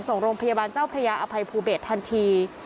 ส่งโรงพยาบาลเจ้าพระยาอภัยภูเบศทันที